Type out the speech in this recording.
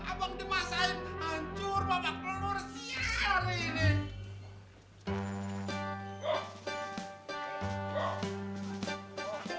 abang demasain hancur bapak pelur siar ini